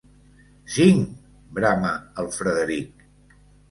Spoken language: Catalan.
Cinc! –brama el Frederic–.